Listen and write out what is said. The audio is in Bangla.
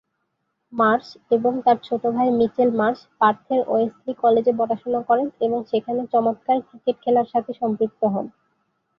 মার্শ এবং তার ছোট ভাই মিচেল মার্শ পার্থের ওয়েসলি কলেজে পড়াশোনা করেন এবং সেখানে চমৎকার ক্রিকেট খেলার সাথে সম্পৃক্ত হন।